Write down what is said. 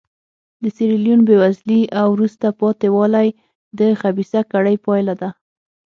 د سیریلیون بېوزلي او وروسته پاتې والی د خبیثه کړۍ پایله ده.